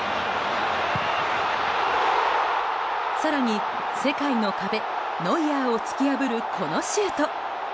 更に、世界の壁ノイアーを突き破るこのシュート。